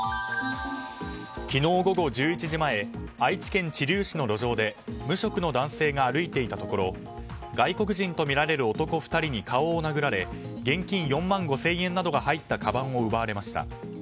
昨日午後１１時前愛知県知立市の路上で無職の男性が歩いていたところ外国人とみられる男２人に顔を殴られ現金４万５０００円などが入ったかばんを奪われました。